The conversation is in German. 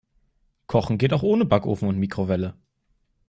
Kochen geht auch ohne Backofen und Mikrowelle.